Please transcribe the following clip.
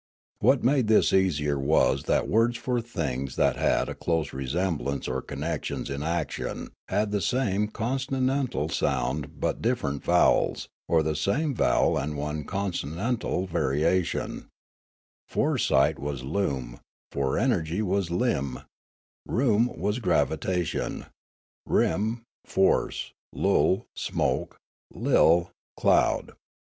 What made this easier was that words for things that had a close resemblance or connection in action had the same consonantal sound but different vowels, or the same vowel and one con sonantal variation ;" foresight " was " lum ";" fore energy " was " lim "; "rum" was "gravitation," " rim," " force ";" lul," " smoke," " HI," " cloud."